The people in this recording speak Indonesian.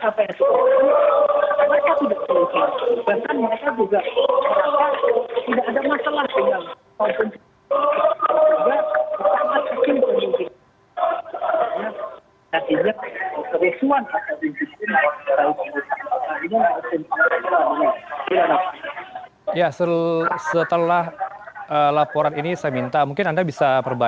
kalau pertama ya kami